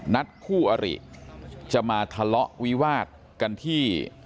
นัดคู่อริจะมาทะเลาะวิวาดกันที่